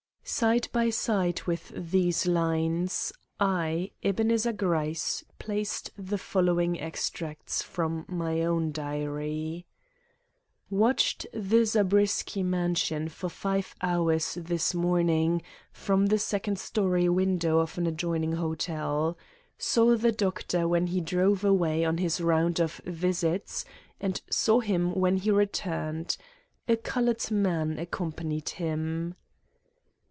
Side by side with these lines, I, Ebenezer Gryce, placed the following extracts from my own diary: "Watched the Zabriskie mansion for five hours this morning, from the second story window of an adjoining hotel. Saw the Doctor when he drove away on his round of visits, and saw him when he returned. A colored man accompanied him.